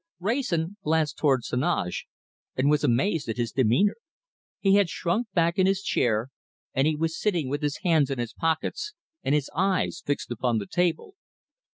Wrayson glanced towards Heneage and was amazed at his demeanour. He had shrunk back in his chair, and he was sitting with his hands in his pockets and his eyes fixed upon the table.